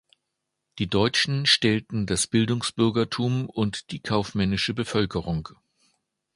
Die Deutschen stellten das Bildungsbürgertum und die kaufmännische Bevölkerung.